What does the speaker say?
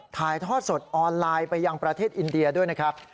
ถ่ายทอดสดออนไลน์ไปยังประเทศอินเดียด้วยนะครับ